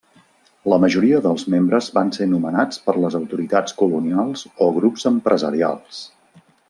La majoria dels membres van ser nomenats per les autoritats colonials o grups empresarials.